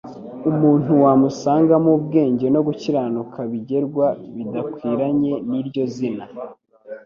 Umuntu wamusangamo ubwenge no gukiranuka bigerwa bidakwiranye n'iryo zina.